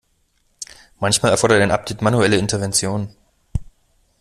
Manchmal erfordert ein Update manuelle Intervention.